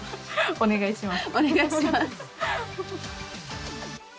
お願いします。